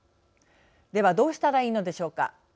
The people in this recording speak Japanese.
では、どうしたらいいのでしょうか。